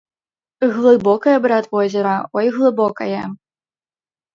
Глыбокае, брат, возера, ой, глыбокае!